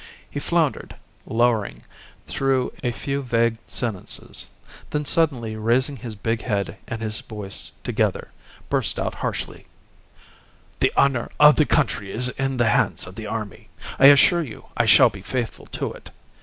He floundered, lowering, through a few vague sentences; then suddenly raising his big head and his voice together, burst out harshly "The honour of the country is in the hands of the army. I assure you I shall be faithful to it."